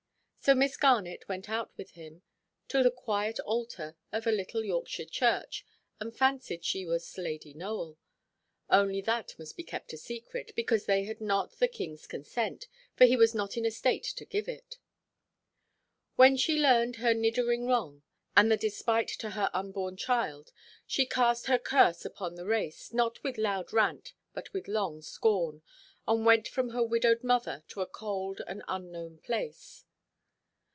So Miss Garnet went with him to the quiet altar of a little Yorkshire church, and fancied she was Lady Nowell; only that must be a secret, "because they had not the kingʼs consent, for he was not in a state to give it." When she learned her niddering wrong, and the despite to her unborn child, she cast her curse upon the race, not with loud rant, but long scorn, and went from her widowed mother, to a cold and unknown place.